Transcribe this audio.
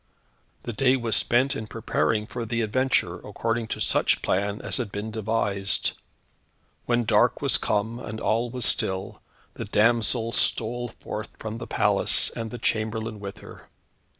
The day was spent in preparing for the adventure, according to such plan as had been devised. When dark was come, and all was still, the damsel stole forth from the palace, and the chamberlain with her.